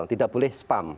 tidak boleh spam